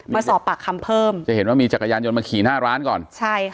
มาสอบปากคำเพิ่มจะเห็นว่ามีจักรยานยนต์มาขี่หน้าร้านก่อนใช่ค่ะ